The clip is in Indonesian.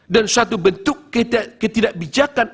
dan suatu bentuk ketidakbijakan